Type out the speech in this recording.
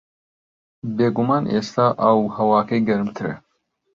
بێگومان ئێستا ئاو و ھەواکەی گەرمترە